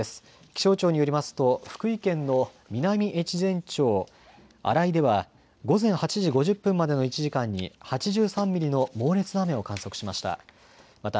気象庁によりますと福井県の南越前町荒井では午前８時５０分までの１時間に８３ミリの猛烈な雨を観測しました。